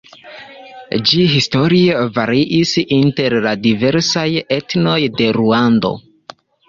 Ĝi historie variis inter la diversaj etnoj de Ruando.